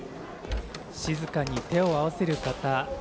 静かに手を合わせる方